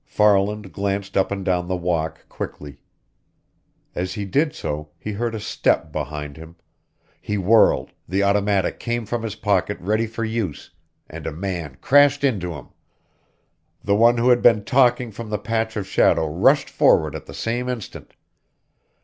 Farland glanced up and down the walk quickly. As he did so, he heard a step behind him. He whirled, the automatic came from his pocket ready for use and a man crashed into him. The one who had been talking from the patch of shadow rushed forward at the same instant.